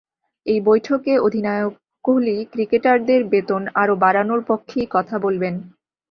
এই বৈঠকে অধিনায়ক কোহলি ক্রিকেটারদের বেতন আরও বাড়ানোর পক্ষেই কথা বলবেন।